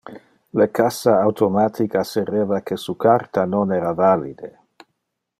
le cassa automatic assereva que su carta non era valide.